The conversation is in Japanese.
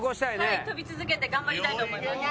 はい跳び続けて頑張りたいと思います。